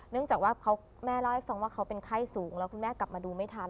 จากว่าแม่เล่าให้ฟังว่าเขาเป็นไข้สูงแล้วคุณแม่กลับมาดูไม่ทัน